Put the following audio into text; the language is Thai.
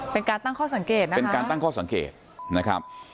เป็นการตั้งข้อสังเกตนะเป็นการตั้งข้อสังเกตนะครับ